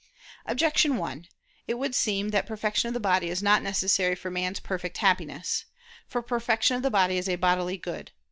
Objection 1: It would seem that perfection of the body is not necessary for man's perfect Happiness. For perfection of the body is a bodily good.